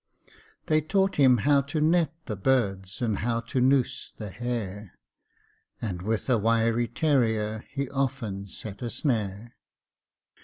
They taught him how to net the birds, And how to noose the hare; And with a wiry terrier, He often set a snare.